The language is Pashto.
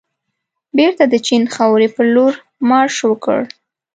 بېرته د چین خاورې پرلور مارش وکړ.